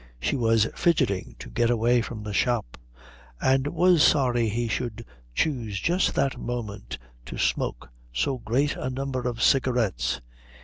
She was fidgeting to get away from the shop, and was sorry he should choose just that moment to smoke so great a number of cigarettes.